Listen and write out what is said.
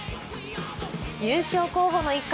優勝候補の一角・